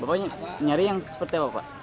pokoknya nyari yang seperti apa pak